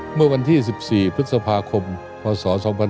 เมื่อวันที่๑๔พฤษภาคมพศ๒๕๖๒